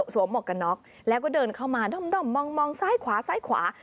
สวมหมกกะน็อกแล้วก็เดินเข้ามาด่อมมองซ้ายขวา